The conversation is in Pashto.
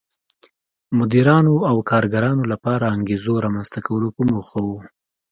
مدیرانو او کارګرانو لپاره انګېزو رامنځته کولو په موخه و.